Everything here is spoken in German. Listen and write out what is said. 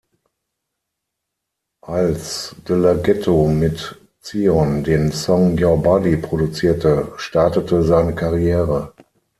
Als De La Ghetto mit Zion den Song "You’re Body" produzierte, startete seine Karriere.